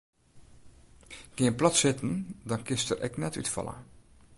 Gean plat sitten dan kinst der ek net útfalle.